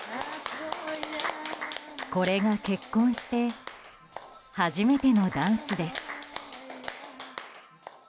これが結婚して初めてのダンスです。